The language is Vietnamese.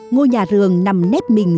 ngôi nhà rường nằm nét mình